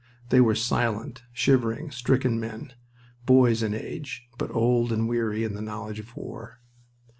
They were silent, shivering, stricken men; boys in age, but old and weary in the knowledge of war.